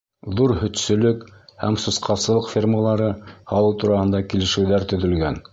Ҙур һөтсөлөк һәм сусҡасылыҡ фермалары һалыу тураһында килешеүҙәр төҙөлгән.